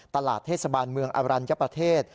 ตลาดเทศบาลเมืองอรัญญประเทศ